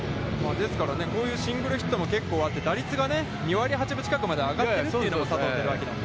ですから、こういうシングルヒットも結構あって打率が２割８分近くまで上がっているというのが、佐藤輝明なんです。